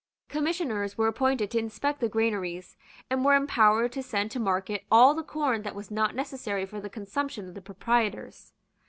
Commissioners were appointed to inspect the granaries, and were empowered to send to market all the corn that was not necessary for the consumption of the proprietors.